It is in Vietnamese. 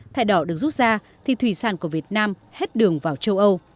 thải đỏ được rút ra thì thủy sản của việt nam hết đường vào châu âu